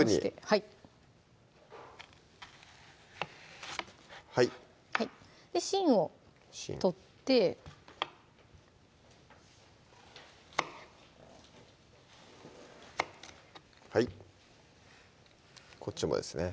はいはいはい芯を取ってはいこっちもですね